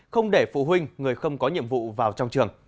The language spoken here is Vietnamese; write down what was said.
không để phụ huynh người không có nhiệm vụ vào trong trường